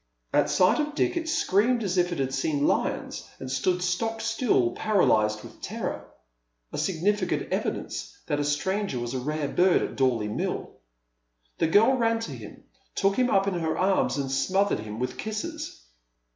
At sight of Dick it screamed as if it had seen lions, and stood stock still, paralyzed with terror — a significant evidence that a stranger was a rare bird at Dorley Mill. The girl ran to him, took him up in her arms, and smothered him with kisses.